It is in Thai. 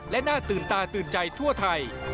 และน่าตื่นตาตื่นใจทั่วไทย